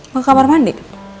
mau ke kamar mandi